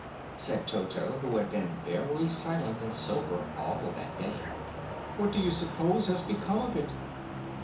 said Toto, who had been very silent and sober all that day. "What do you suppose has become of it?"